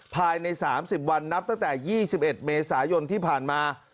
ภายในสามสิบวันนับตั้งแต่ยี่สิบเอ็ดเมษายนที่ผ่านมา